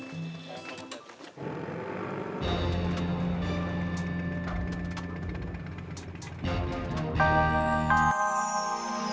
sampai jumpa pelet